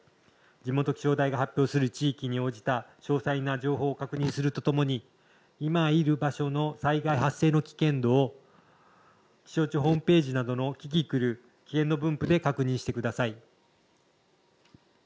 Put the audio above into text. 地元気象台が発表する地域に応じた詳細な情報を確認するとともに今いる場所の災害発生の危険度を気象庁ホームページなどのキキクル、危険度分布で確認してください。